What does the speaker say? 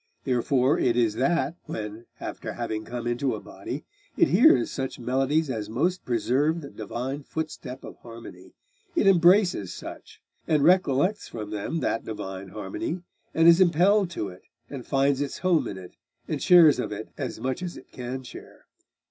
Therefore it is that when, after having come into a body, it hears such melodies as most preserve the divine footstep of harmony, it embraces such, and recollects from them that divine harmony, and is impelled to it, and finds its home in it, and shares of it as much as it can share."